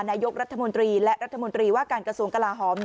นายกรัฐมนตรีและรัฐมนตรีว่าการกระทรวงกลาหอม